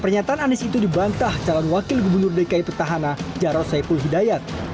pernyataan anies itu dibantah calon wakil gubernur dki petahana jarod saiful hidayat